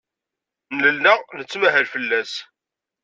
Nella nettmahal fell-as.